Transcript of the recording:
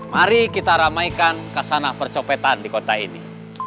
mari kita ramaikan kesana percopetan di kota ini